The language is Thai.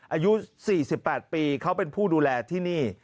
อายุ๔๘ปีเขาเป็นผู้ดูแลที่นี่